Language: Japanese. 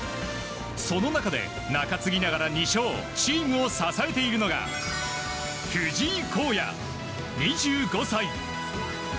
その中で中継ぎながら２勝チームを支えているのが藤井皓哉、２５歳。